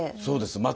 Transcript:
そうです。